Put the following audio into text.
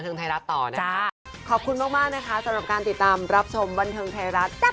นะคะก็ดูติดตามกันได้นะคะ